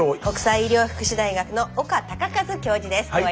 国際医療福祉大学の岡孝和教授です。